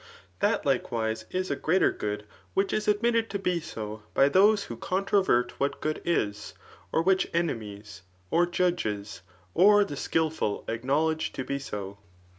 That» likewise, [is agreai:er good,] which is admitted to be so by those who contvo vert [what good is, or which enemies, or judges, or the akilfol acknowledge to be so.